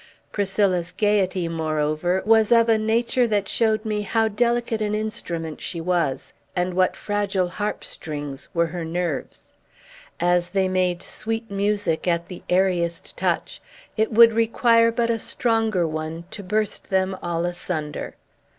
Priscilla's gayety, moreover, was of a nature that showed me how delicate an instrument she was, and what fragile harp strings were her nerves. As they made sweet music at the airiest touch, it would require but a stronger one to burst them all asunder.